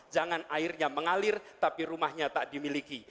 jangan airnya mengalir tapi rumahnya tak dimiliki